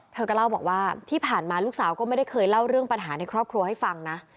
เธอก็เล่าบอกว่าที่ผ่านมาลูกสาวก็ไม่ได้เคยเล่าเรื่องปัญหาในครอบครัวให้ฟังนะ